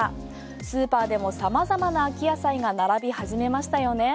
スーパーでも様々な秋野菜が並び始めましたよね。